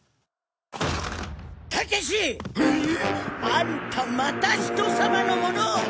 アンタまた人様のものを！